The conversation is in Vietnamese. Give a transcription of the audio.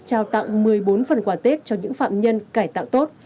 trao tặng một mươi bốn phần quà tết cho những phạm nhân cải tạo tốt